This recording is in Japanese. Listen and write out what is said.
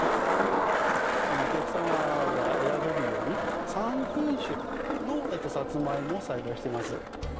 お客様が選べるように３品種のサツマイモを栽培しています。